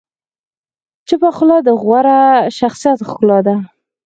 چپه خوله، د غوره شخصیت ښکلا ده.